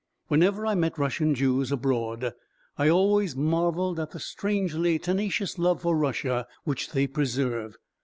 Whenever I met Russian Jews abroad, I always marvelled at the strangely tenacious love for Russia which they preserve.